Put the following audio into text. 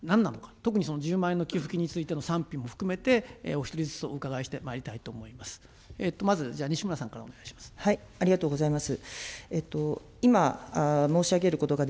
特にその１０万円の給付金についての賛否も含めて、お一人ずつ、お伺いしてまいりたいと思います。